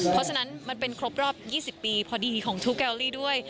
เพราะฉะนั้นมันเป็นครบรอบ๒๐ปีพอดีของทุกแอลลี่ด้วย